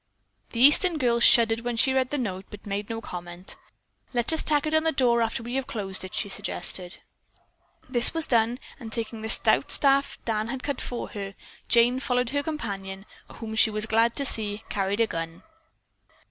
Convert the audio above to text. The Eastern girl shuddered when she read the note, but made no comment. "Let us tack it on the door after we have closed it," she suggested. This was done, and taking the stout staff Dan had cut for her, Jane followed her companion, whom she was glad to see carried a gun.